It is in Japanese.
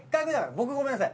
僕ごめんなさい。